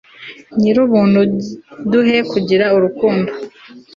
nyir'ubuntu, duhe kugira urukundo